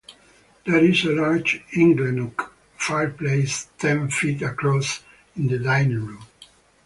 There is a large inglenook fireplace, ten feet across, in the dining room.